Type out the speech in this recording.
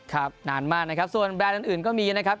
ครับนานมากนะครับส่วนแบรนด์อื่นก็มีนะครับ